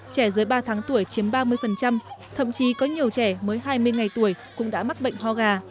trẻ dưới ba tháng tuổi chiếm ba mươi thậm chí có nhiều trẻ mới hai mươi ngày tuổi cũng đã mắc bệnh ho gà